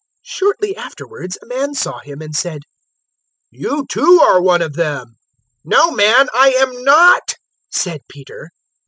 022:058 Shortly afterwards a man saw him and said, "You, too, are one of them." "No, man, I am not," said Peter.